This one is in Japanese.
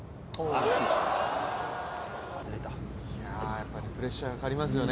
やっぱりプレッシャーがかかりますよね。